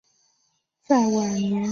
在晚年也使用复写纸。